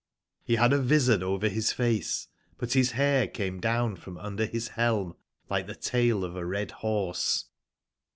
He bad a vizard over bis face, but bis bair came down from under bis belm like tbe tail of a red borse.